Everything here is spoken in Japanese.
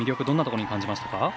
どんなところに感じましたか。